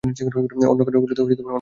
অন্য কেন্দ্রগুলোতে এজেন্ট ছিলেন।